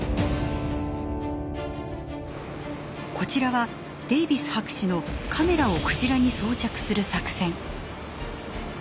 こちらはデイビス博士のカメラをクジラに装着する作戦。